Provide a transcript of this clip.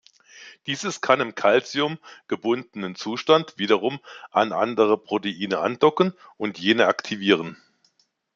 Dieses kann im Calcium-gebundenen Zustand wiederum an andere Proteine andocken und jene aktivieren.